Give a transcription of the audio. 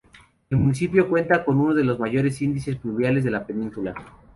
El municipio cuenta con uno de los mayores índices pluviales de la península.